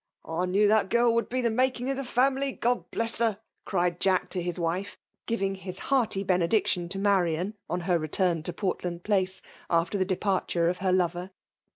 " I knew that girl would be tbe making oF the family, God Uess her !'* cried Jack to his wife, giving his hearty benediction to Marian ojb her return to Portland Place, after the departure of her lover.